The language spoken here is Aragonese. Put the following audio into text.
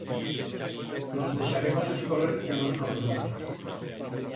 Los deixaremos escorrer en o escorreplatos.